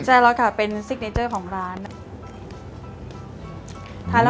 ใช่แล้วค่ะเป็นซิกเนเจอร์ของร้าน